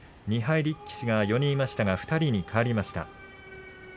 ２敗力士が４人いましたが２人に変わりました。